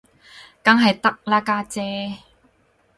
梗係得啦，家姐